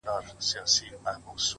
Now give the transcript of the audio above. پرمختګ له دوامداره هڅې تغذیه کېږي،